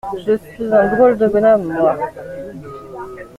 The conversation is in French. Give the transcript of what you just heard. Je suis un drôle de bonhomme, moi !…